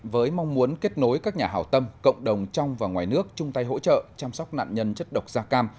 với mong muốn kết nối các nhà hào tâm cộng đồng trong và ngoài nước chung tay hỗ trợ chăm sóc nạn nhân chất độc da cam